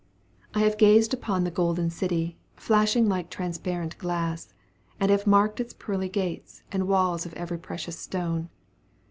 I have gazed upon the golden city, flashing like "transparent glass," and have marked its pearly gates and walls of every precious stone.